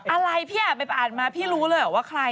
อะไรพี่อ่านมาพี่รู้เลยหรือว่าใคร